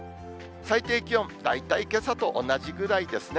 最低気温、大体けさと同じぐらいですね。